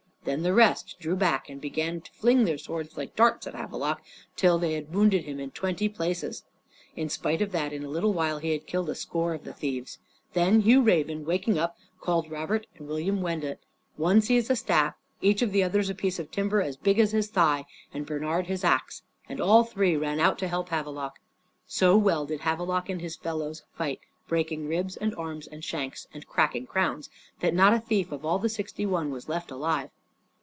Then the rest drew back and began to fling their swords like darts at Havelok, till they had wounded him in twenty places. In spite of that, in a little while he had killed a score of the thieves. Then Hugh Raven, waking up, called Robert and William Wendut. One seized a staff, each of the others a piece of timber as big as his thigh, and Bernard his axe, and all three ran out to help Havelok. So well did Havelok and his fellows fight, breaking ribs and arms and shanks, and cracking crowns, that not a thief of all the sixty one was left alive.